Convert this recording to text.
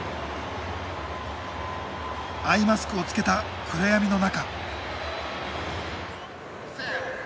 アイマスクをつけた暗闇の中。